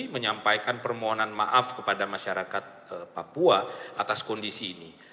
menyampaikan permohonan maaf kepada masyarakat papua atas kondisi ini